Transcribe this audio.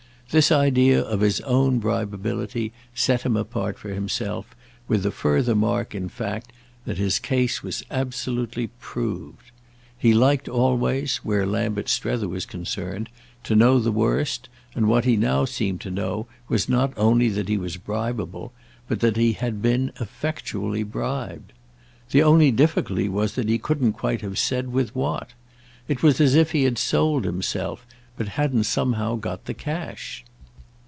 This idea of his own bribeability set him apart for himself; with the further mark in fact that his case was absolutely proved. He liked always, where Lambert Strether was concerned, to know the worst, and what he now seemed to know was not only that he was bribeable, but that he had been effectually bribed. The only difficulty was that he couldn't quite have said with what. It was as if he had sold himself, but hadn't somehow got the cash.